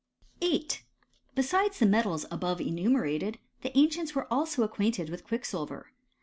8. Besides the metals above enumerated, the an cients were also acquainted with quicksilver.